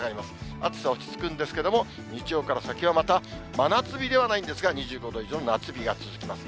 暑さ落ち着くんですけれども、日曜から先はまた真夏日ではないんですが、２５度以上の夏日が続きます。